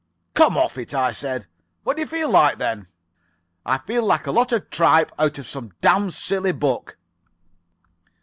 "'Come off it,' I said. 'What do you feel like, then?' "'I feel like a lot of tripe out of some damn silly book.